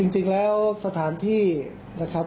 จริงแล้วสถานที่นะครับ